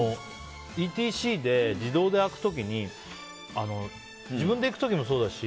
ＥＴＣで自動で開く時に自分で行く時もそうだし